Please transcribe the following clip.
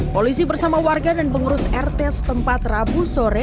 polisi bersama warga dan pengurus rt setempat rabu sore